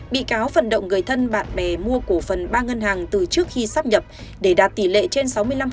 bị cáo vận động người thân bạn bè mua cổ phần ba ngân hàng từ trước khi sắp nhập để đạt tỷ lệ trên sáu mươi năm